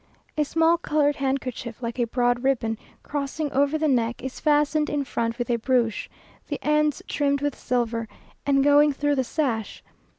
A small coloured handkerchief like a broad ribbon, crossing over the neck, is fastened in front with a brooch, the ends trimmed with silver, and going through the sash.